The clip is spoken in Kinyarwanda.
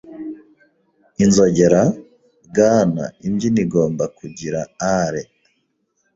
inzogera? Bwana Imbyino igomba kugira ale. ”